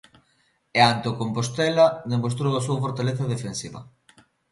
E ante o Compostela demostrou a súa fortaleza defensiva.